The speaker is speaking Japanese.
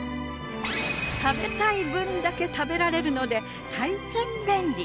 食べたい分だけ食べられるのでたいへん便利。